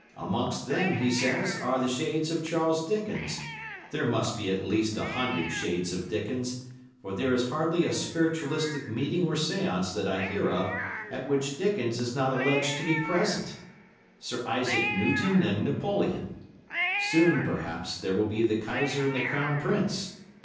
Amongst them, he says, are the shades of Charles Dickens—there must be at least a hundred shades of Dickens, for there is hardly a spiritualistic meeting or séance that I hear of at which Dickens is not alleged to be present—Sir Isaac Newton and Napoleon. (Soon, perhaps, there will be the Kaiser and the Crown Prince.